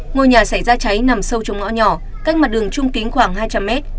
ngôi nhà xảy ra cháy nằm sâu trong ngõ nhỏ cách mặt đường trung kính khoảng hai trăm linh mét